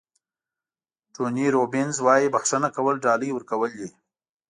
ټوني روبینز وایي بښنه کول ډالۍ ورکول دي.